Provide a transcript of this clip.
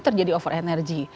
itu terjadi over energy